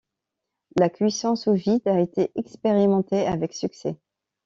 La cuisson sous vide a été expérimentée avec succès.